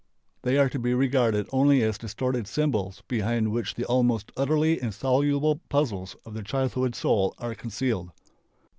They are to be regarded only as distorted symbols behind which the almost utterly insoluble puzzles of the childhood soul are concealed.